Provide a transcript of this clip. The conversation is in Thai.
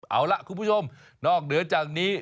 เอาล่ะคุณผู้ชมนอกเหนือจากนี้